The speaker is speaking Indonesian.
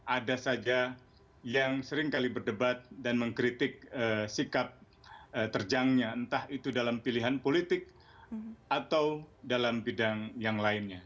ada saja yang seringkali berdebat dan mengkritik sikap terjangnya entah itu dalam pilihan politik atau dalam bidang yang lainnya